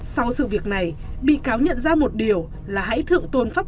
sau sự việc này bị cáo nhận ra một điều là hãy thượng tôn pháp